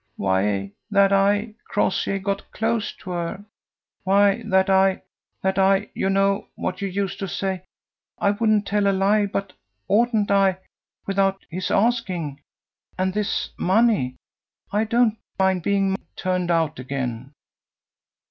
"Why, that I" Crossjay got close to her "why, that I, that I you know what you used to say. I wouldn't tell a lie, but oughtn't I, without his asking ... and this money! I don't mind being turned out again."